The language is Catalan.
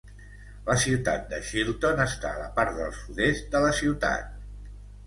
La ciutat de Chilton està a la part del sud-est de la ciutat.